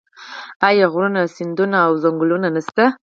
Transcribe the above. آیا غرونه سیندونه او ځنګلونه نشته؟